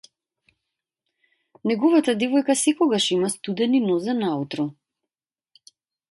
Неговата девојка секогаш има студени нозе наутро.